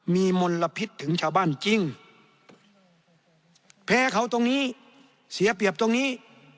มีมลพิษถึงชาวบ้านจริงแพ้เขาตรงนี้เสียเปรียบตรงนี้